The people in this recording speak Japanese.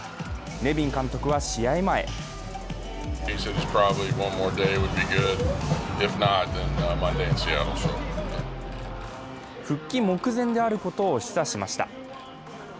ネビン監督は試合前復帰目前であることを示唆しました。